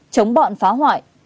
chống bọn phá hoại